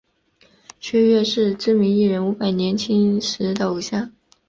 薛岳是知名艺人伍佰年轻时的偶像。